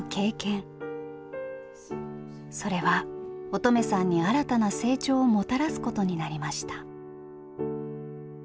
それは音十愛さんに新たな成長をもたらすことになりました。